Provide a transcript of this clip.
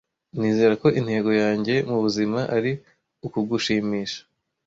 Nizera ko intego yanjye mubuzima ari ukugushimisha.